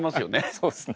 そうっすね。